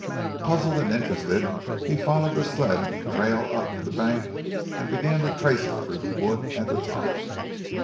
Puzzled and interested he followed the sled trail up the bank and began to trace it through the wood at the top.